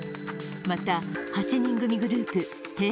また、８人組グループ、Ｈｅｙ！